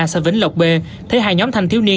xa vỉnh lộc b thấy hai nhóm thanh thiếu niên